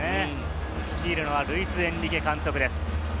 率いるのはルイス・エンリケ監督です。